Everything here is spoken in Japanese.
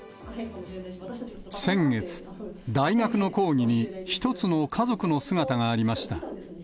先月、大学の講義に１つの家族の姿がありました。